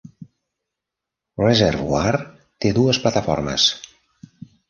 Reservoir té dues plataformes.